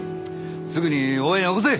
すぐに応援よこせ！